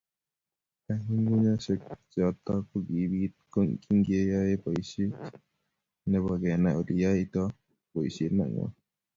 kangunyngunyoshek choto kokibiit kingeyoei boishet nebo kenai oleyaitoi boishet nengwai